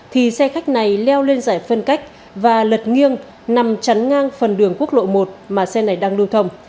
thì xe khách này leo lên giải phân cách và lật nghiêng nằm chắn ngang phần đường quốc lộ một mà xe này đang lưu thông